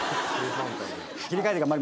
切り替えて頑張ります。